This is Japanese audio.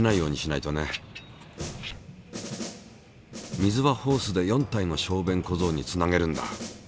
水はホースで４体の小便小僧につなげるんだ。